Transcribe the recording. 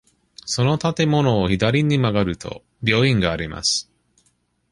その建物を左に曲がると、病院があります。